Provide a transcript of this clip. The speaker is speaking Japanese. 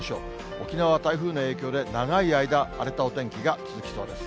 沖縄は台風の影響で、長い間、荒れたお天気が続きそうです。